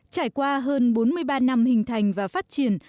trải qua hơn bốn mươi ba năm hình thành và phát triển